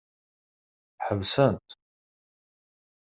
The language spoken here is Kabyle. Ḥebsen-t.